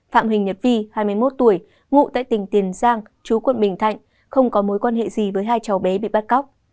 phạm huỳnh nhật vi hai mươi một tuổi ngụ tại tỉnh tiền giang chú quận bình thạnh không có mối quan hệ gì với hai cháu bé bị bắt cóc